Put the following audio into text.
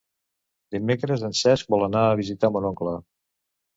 Dimecres en Cesc vol anar a visitar mon oncle.